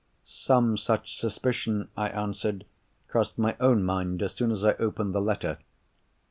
"Some such suspicion," I answered, "crossed my own mind, as soon as I opened the letter."